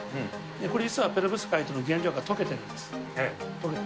これ、実はペロブスカイトの原料が溶けてるんです。